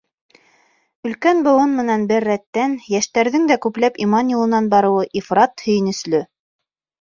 Өлкән быуын менән бер рәттән йәштәрҙең дә күпләп иман юлынан барыуы ифрат һөйөнөслө.